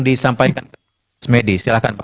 disampaikan ke medi silahkan pak